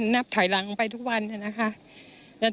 นับถอยหลังไปทุกวันนะคะ